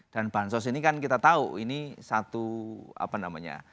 dan bansos ini kan kita tahu ini satu apa namanya